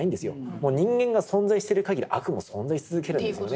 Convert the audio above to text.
もう人間が存在してる限り悪も存在し続けるんですよね。